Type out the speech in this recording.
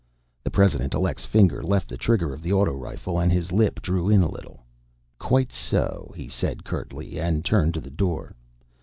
The President Elect's finger left the trigger of the auto rifle and his lip drew in a little. "Quite so," he said curtly, and, turned to the door.